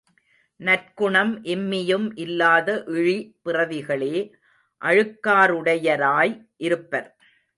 நற்குணம் இம்மியும் இல்லாத இழி பிறவிகளே அழுக்காறுடையராய் இருப்பர்.